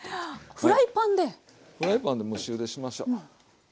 フライパンで蒸しゆでしましょ。